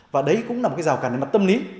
và đấy cũng là một cái rào cản về mặt tâm lý